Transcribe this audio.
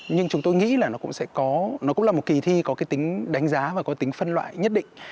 nhưng chúng tôi nghĩ là nó cũng sẽ có nó cũng là một kỳ thi có cái tính đánh giá và có tính phân loại nhất định